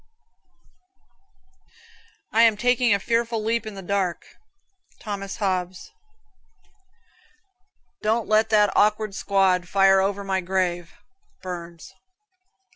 "I am taking a fearful leap in the dark." Thomas Hobbes. "Don't let that awkward squad fire over my grave." Burns.